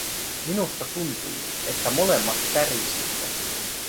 Minusta tuntui, että molemmat tärisimme;